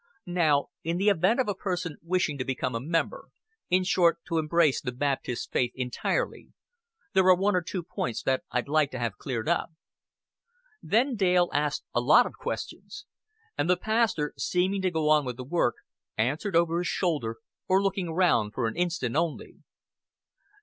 "Now, in the event of a person wishing to become a member in short, to embrace the Baptist faith entirely, there are one or two points that I'd like to have cleared up." Then Dale asked a lot of questions; and the pastor, seeming to go on with the work, answered over his shoulder, or looking round for an instant only.